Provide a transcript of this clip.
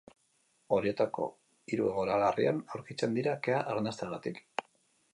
Horietako hiru egoera larrian aurkitzen dira kea arnasteagatik.